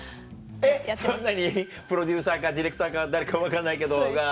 えっそれは何プロデューサーかディレクターか誰か分かんないけど。